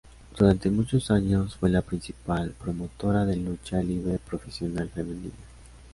Durante muchos años fue la principal promotora de lucha libre profesional femenina.